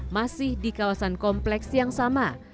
masih di kawasan kompleks yang sama